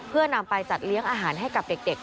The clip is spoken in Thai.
เพื่อนำไปจัดเลี้ยงอาหารให้กับเด็ก